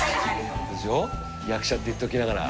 役者って言っときながら。